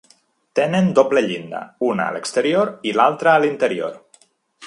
Tenen doble llinda, una a l'exterior i l'altra a l'interior.